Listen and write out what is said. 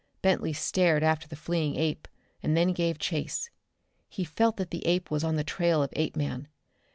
Bentley stared after the fleeing ape, and then gave chase. He felt that the ape was on the trail of Apeman.